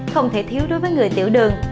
không thể thiếu đối với người tiểu đường